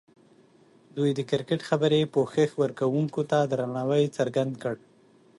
دوی د کرکټ خبري پوښښ ورکوونکو ته درناوی څرګند کړ.